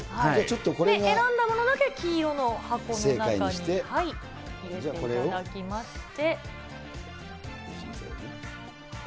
選んだものだけ黄色の箱の中に入れていただきまして。